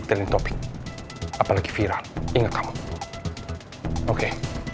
terima topik apalagi viral inget kamu oke